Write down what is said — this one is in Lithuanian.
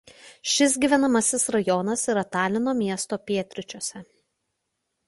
Šis gyvenamasis rajonas yra Talino miesto pietryčiuose.